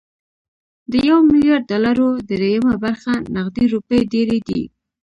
د يو ميليارد ډالرو درېيمه برخه نغدې روپۍ ډېرې دي.